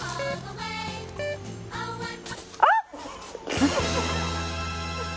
・あっ！